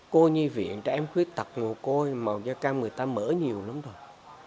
cô nhi viện trẻ em khuyết tật ngồi cô màu da cam người ta mở nhiều lắm rồi